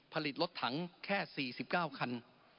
ผลิตรถถังแค่๔๙คัน